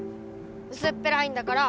うすっぺらいんだから！